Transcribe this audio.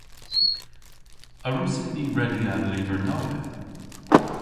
A wrussyn ni redya an lyver nowydh?